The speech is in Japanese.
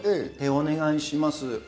お願いします。